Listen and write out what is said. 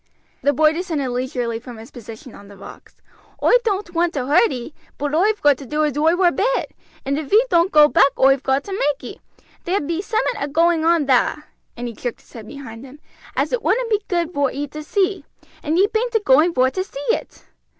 The boy descended leisurely from his position on the rocks. "Oi don't want to hurt ee, but oi've got to do as oi were bid, and if ee doan't go back oi've got to make ee. There be summat a going on thar," and he jerked his head behind him, "as it wouldn't be good vor ee to see, and ye bain't a going vor to see it."